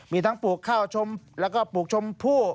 มีทั้งปลูกข้าวชมแล้วก็ปลูกชมพู่